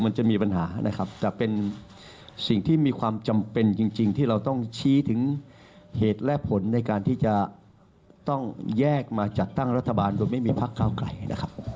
มันจะมีปัญหานะครับแต่เป็นสิ่งที่มีความจำเป็นจริงที่เราต้องชี้ถึงเหตุและผลในการที่จะต้องแยกมาจัดตั้งรัฐบาลโดยไม่มีพักเก้าไกลนะครับ